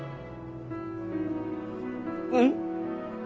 うん。